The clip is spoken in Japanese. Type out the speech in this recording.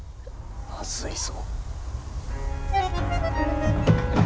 まずいぞ！